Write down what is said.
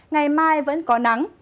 ngày mai vẫn có nắng